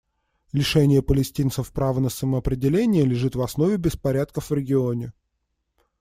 Лишение палестинцев права на самоопределение лежит в основе беспорядков в регионе.